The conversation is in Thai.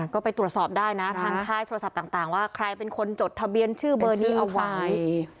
ก็ไปตรวจสอบได้นะทางค่ายโทรศัพท์ต่างว่าใครเป็นคนจดทะเบียนชื่อเบอร์นี้เอาไว้